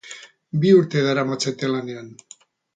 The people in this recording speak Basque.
Bi urte daramatzate lanean.